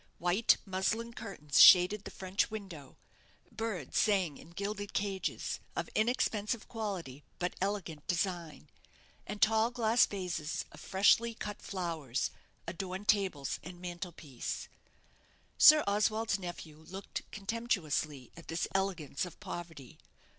White muslin curtains shaded the French window; birds sang in gilded cages, of inexpensive quality, but elegant design; and tall glass vases of freshly cut flowers adorned tables and mantel piece. Sir Oswald's nephew looked contemptuously at this elegance of poverty.